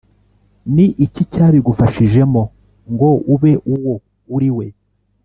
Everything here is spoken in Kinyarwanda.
ni iki cyabigufashijemo ngo ube uwo uriwe